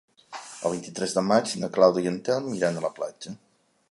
El vint-i-tres de maig na Clàudia i en Telm iran a la platja.